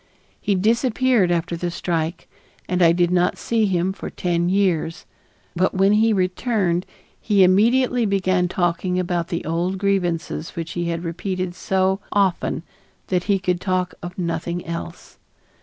He disappeared after the strike and I did not see him for ten years, but when he returned he immediately began talking about the old grievances which he had repeated so often that he could talk of nothing else.